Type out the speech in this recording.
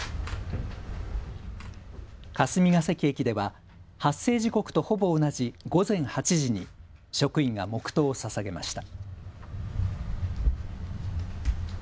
霞ケ関駅では発生時刻とほぼ同じ午前８時に職員が黙とうをささげました。